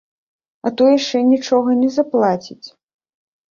А то яшчэ нічога не заплаціць.